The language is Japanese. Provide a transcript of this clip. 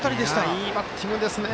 いいバッティングですね。